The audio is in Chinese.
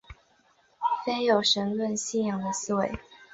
非有神论信仰的思维。